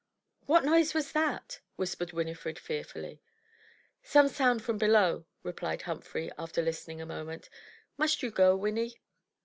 "What noise was that?'' whispered Winifred, fearfully. "Some sound from below," replied Humphrey, after listening a moment. "Must you go, Winnie?"